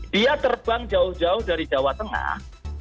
dia terbang jauh jauh dari jawa tengah